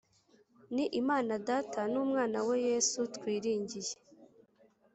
ni imana data n’umwanawe yesu twiringiye